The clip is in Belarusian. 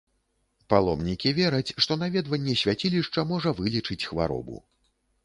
Паломнікі вераць, што наведванне свяцілішча можа вылечыць хваробу.